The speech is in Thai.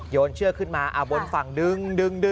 นเชือกขึ้นมาบนฝั่งดึง